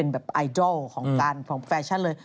แบบไอดอลของการพร้อมแฟชั่นเลย